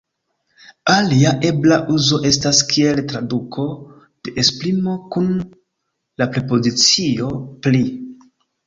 Alia ebla uzo estas kiel traduko de esprimo kun la prepozicio "pri".